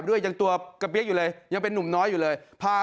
ยังตัวกระเปี๊ยกอยู่เลยยังเป็นนุ่มน้อยอยู่เลยพา